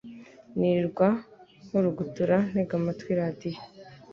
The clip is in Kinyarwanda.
Nirirwa nkurugutura, ntega amatwi radiyo